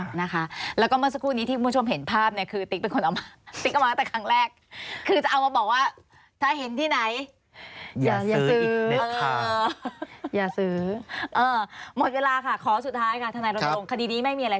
ธนายรดลงคฎีนี้ไม่มีอะไรซับซ้อนแล้วไม่เหนื่อยแล้วใช่ไม่ตำรวจจัดการหมด